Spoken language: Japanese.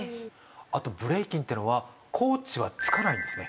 あとブレイキンっていうのはコーチはつかないんですね